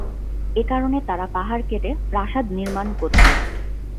এ কারণে তারা পাহাড় কেটে প্রাসাদ নির্মাণ করত।